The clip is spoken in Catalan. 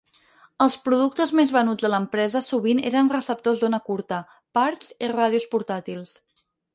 Els productes més venuts de l'empresa sovint eren receptors d'ona curta, parts i ràdios portàtils.